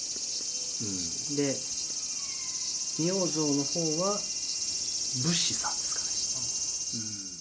で、仁王像のほうは仏師さんですかね。